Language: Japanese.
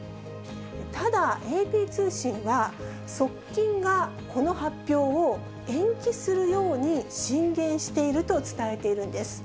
ただＡＰ通信は、側近がこの発表を延期するように進言していると伝えているんです。